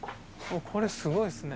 これすごいっすね。